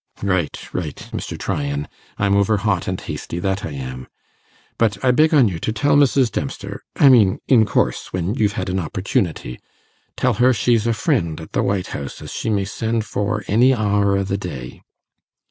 'Right, right, Mr. Tryan. I'm over hot and hasty, that I am. But I beg on you to tell Mrs. Dempster I mean, in course, when you've an opportunity tell her she's a friend at the White House as she may send for any hour o' the day.